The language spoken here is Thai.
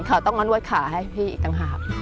เขาต้องมารวดขาให้พี่กำหาป